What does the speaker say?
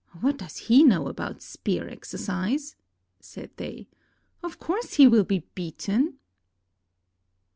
"What does he know about spear exercise?" said they. "Of course he will be beaten."